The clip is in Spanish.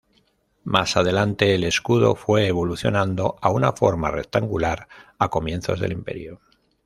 Más adelante el escudo fue evolucionando a una forma rectangular a comienzos del Imperio.